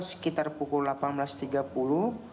sekitar pukul delapan belas tiga puluh